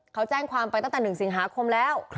เขาแจ้งความไปตั้งแต่๑สิงหาคมแล้ว